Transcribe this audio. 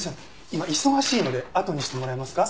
今忙しいのであとにしてもらえますか？